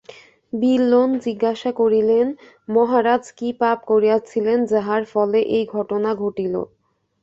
বিল্বন জিজ্ঞাসা করিলেন, মহারাজ কী পাপ করিয়াছিলেন যাহার ফলে এই ঘটনা ঘটিল?